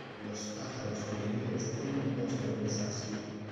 Los pájaros juveniles tienen un rostro grisáceo.